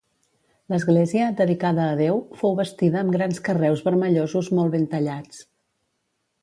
L'església, dedicada a Déu, fou bastida amb grans carreus vermellosos molt ben tallats.